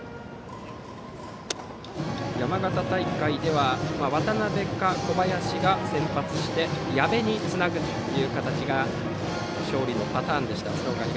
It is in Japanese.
山形大会では渡辺か小林が先発して、矢部につなぐ形が勝利のパターンです。